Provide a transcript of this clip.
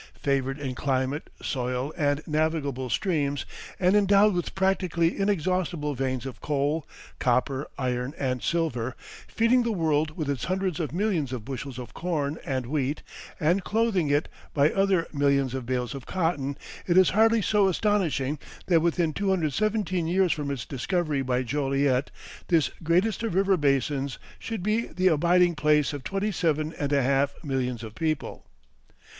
Favored in climate, soil, and navigable streams, and endowed with practically inexhaustible veins of coal, copper, iron, and silver, feeding the world with its hundreds of millions of bushels of corn and wheat, and clothing it by other millions of bales of cotton, it is hardly so astonishing that within 217 years from its discovery by Joliet this greatest of river basins should be the abiding place of twenty seven and a half millions of people.